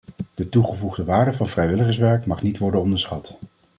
De toegevoegde waarde van vrijwilligerswerk mag niet worden onderschat.